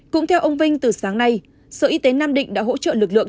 cũng theo ông vinh từ sáng nay sở y tế nam định đã hỗ trợ lực lượng